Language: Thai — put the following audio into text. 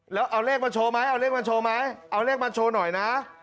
แล้วเอาเลขมาโชว์ไหมเอาเลขมาโชว์ไหมเอาเลขมาโชว์หน่อยนะ